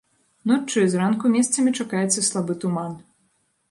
Ноччу і зранку месцамі чакаецца слабы туман.